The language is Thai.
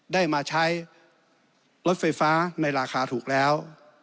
ได้มาใช้รถไฟฟ้าในราคาถูกแล้ว